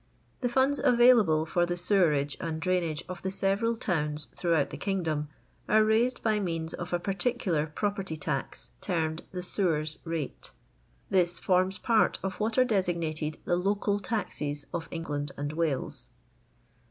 The funds available for the sewerage and drains^ of the several towns throughout the kingdom, are raised by means of a particular property tax, termed the Sewers Hate. This forms part of what are designated the Local Taxes of England and Wales.